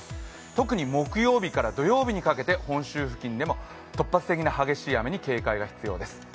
特に木曜日から土曜日にかけて本州付近でも突発的な激しい雨に警戒が必要です。